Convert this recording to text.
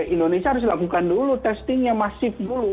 indonesia harus lakukan dulu testingnya masif dulu